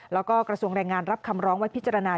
แล้วก็กระทรวงแรงงานรับคำร้องไว้พิจารณา